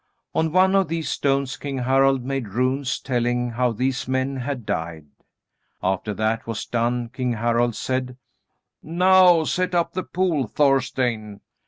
On one of these stones King Harald made runes telling how these men had died. After that was done King Harald said: "Now set up the pole, Thorstein.